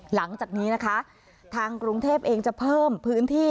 หลังจากนี้นะคะทางกรุงเทพเองจะเพิ่มพื้นที่